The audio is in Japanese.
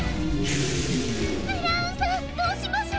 ブラウンさんどうしましょう？